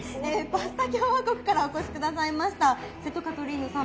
パスタ共和国からお越し下さいました瀬戸カトリーヌ様。